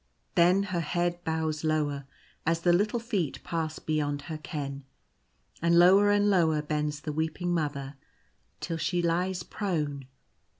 Then her head bows lower as the little feet pass beyond her ken ; and lower and lower bends the weeping Mother till she lies prone.